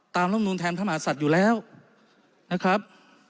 รำนูนแทนพระมหาศัตริย์อยู่แล้วนะครับ